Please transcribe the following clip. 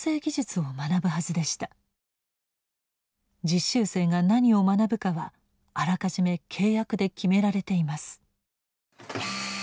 実習生が何を学ぶかはあらかじめ契約で決められています。